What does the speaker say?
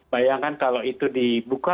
bayangkan kalau itu dibuka